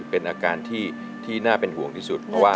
เป็นอาการที่น่าเป็นห่วงที่สุด